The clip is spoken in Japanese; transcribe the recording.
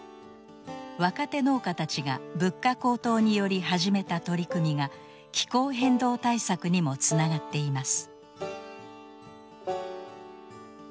若手農家たちが物価高騰により始めた取り組みが気候変動対策にもつながっています。